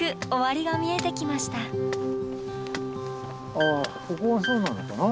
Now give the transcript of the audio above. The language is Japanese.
あっここがそうなのかな？